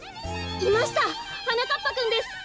いましたはなかっぱくんです。